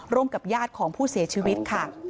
ร่วมกับญาติของผู้เสียชีวิตค่ะ